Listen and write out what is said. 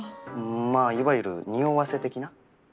まぁいわゆる匂わせ的な？